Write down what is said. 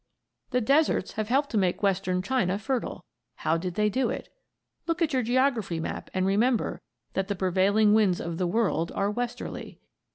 The deserts have helped to make western China fertile. How did they do it? (Look at your geography map and remember that the prevailing winds of the world are westerly.)